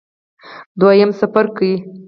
دویم څپرکی